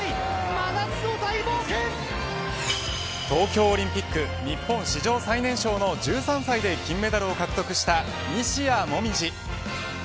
東京オリンピック日本史上最年少の１３歳で金メダルを獲得した西矢椛。